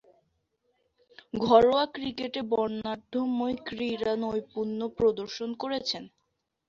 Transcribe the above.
ঘরোয়া ক্রিকেটে বর্ণাঢ্যময় ক্রীড়ানৈপুণ্য প্রদর্শন করেছেন।